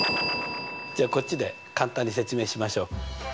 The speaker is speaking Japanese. じゃあこっちで簡単に説明しましょう。